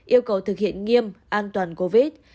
yêu cầu thực hiện nghiêm an toàn covid